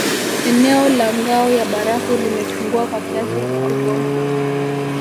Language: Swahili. Eneo la ngao ya barafu limepungua kwa kiasi kikubwa